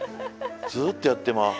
ずっとやってまう。